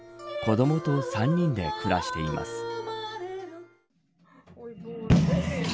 子どもと３人で暮らしています。